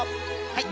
はい！